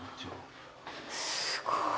すごい。